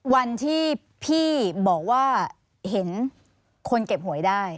วันที่พี่บอกว่าเห็นคนเก็บหวยได้